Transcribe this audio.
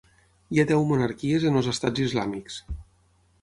Hi ha deu monarquies en els estats islàmics.